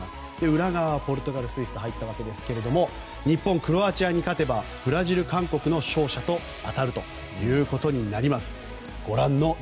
裏側にポルトガルスイスと入ったわけですが日本、クロアチアに勝てばブラジル、韓国の勝者と当たるということになります。